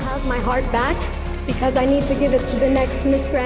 saya ingin memberikan hati saya kembali